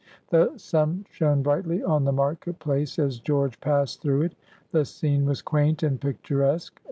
The sun shone brightly on the market place as George passed through it. The scene was quaint and picturesque.